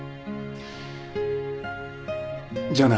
じゃあな。